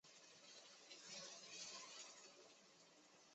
她想多照顾她